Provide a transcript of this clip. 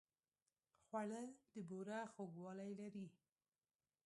خوړل د بوره خوږوالی لري